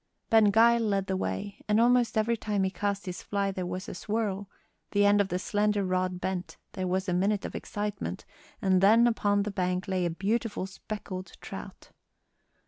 Ben Gile led the way, and almost every time he cast his fly there was a swirl, the end of the slender rod bent, there was a minute of excitement, and then upon the bank lay a beautiful speckled trout.